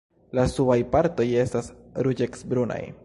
La subaj partoj estas ruĝecbrunaj.